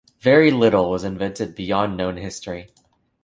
Very little was invented beyond known history.